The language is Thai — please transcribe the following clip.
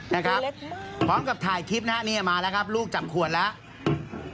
นะครับพร้อมกับถ่ายคลิปนะฮะเนี่ยมาแล้วครับลูกจับขวดแล้ว